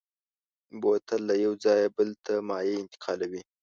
بوتل له یو ځایه بل ته مایع انتقالوي.